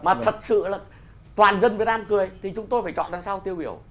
mà thật sự là toàn dân việt nam cười thì chúng tôi phải chọn đằng sau tiêu biểu